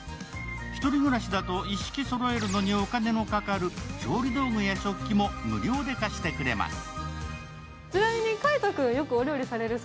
１人暮らしだと一式そろえるのにお金のかかる調理道具や食器も無料で貸してくれます。